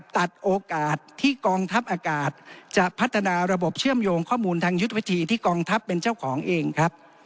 ตัดโอกาสที่กองทัพอากาศจะพัฒนาระบบเชื่อมโยงข้อมูลทางยุทธวิธีที่กองทัพเป็นเจ้าของเองครับ